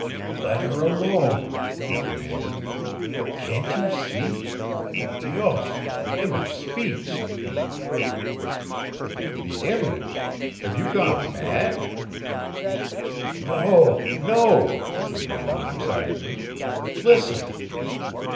"Let her alone!" he commanded. "Can't you see? Dios! the image speaks!" "The image? have you gone mad?" "No! No!" he ran on excitedly. "Listen!"